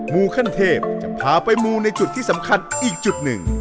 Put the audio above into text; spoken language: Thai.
มูขั้นเทพจะพาไปมูในจุดที่สำคัญอีกจุดหนึ่ง